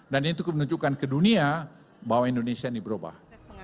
dan itu menunjukkan ke dunia bahwa indonesia ini berubah